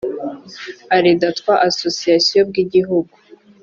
aredetwa association bw igihugu